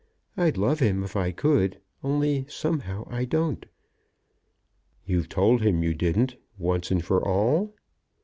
I'd love him if I could, only, somehow I don't." "You've told him you didn't, once and for all?"